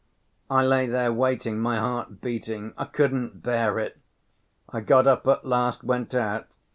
I lay there waiting, my heart beating; I couldn't bear it. I got up at last, went out.